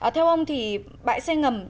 theo ông thì bãi xe ngầm